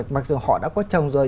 mặc dù họ đã có chồng rồi